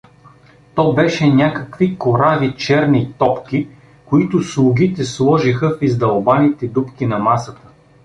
То беше някакви корави черни топки, които слугите сложиха в издълбаните дупки на масата.